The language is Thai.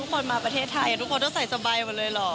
คนมาประเทศไทยทุกคนต้องใส่สบายหมดเลยเหรอ